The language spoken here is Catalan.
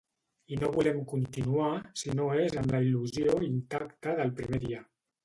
I no volem continuar si no és amb la il·lusió intacta del primer dia.